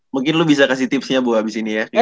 mungkin lu bisa kasih tipsnya bu abis ini ya